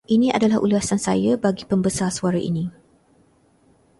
Ini adalah ulasan saya bagi pembesar suara ini.